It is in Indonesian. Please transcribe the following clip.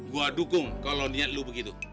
gua dukung kalau niat lo begitu